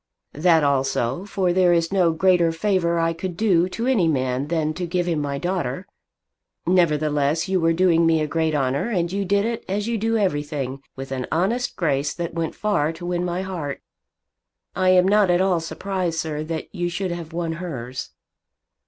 "That also; for there is no greater favour I could do to any man than to give him my daughter. Nevertheless, you were doing me a great honour, and you did it, as you do everything, with an honest grace that went far to win my heart. I am not at all surprised, sir, that you should have won hers."